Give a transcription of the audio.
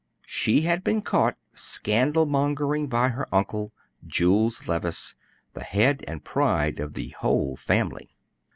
She had been caught scandal mongering by her uncle, Jules Levice, the head and pride of the whole family.